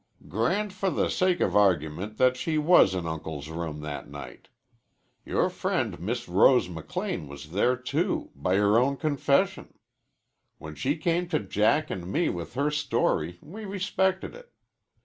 "Grant for the sake of argument that she was in Uncle's room that night. Your friend Miss Rose McLean was there, too by her own confession. When she came to Jack and me with her story, we respected it.